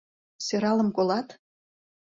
Сӧралым колат!